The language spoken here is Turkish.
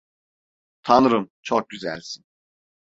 Tanrım, çok güzelsin.